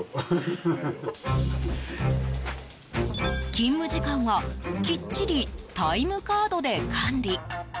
勤務時間はきっちりタイムカードで管理。